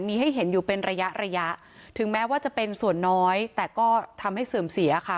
มีให้เห็นอยู่เป็นระยะระยะถึงแม้ว่าจะเป็นส่วนน้อยแต่ก็ทำให้เสื่อมเสียค่ะ